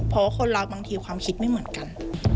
เพราะว่าคนรักบางทีความคิดไม่เหมือนกัน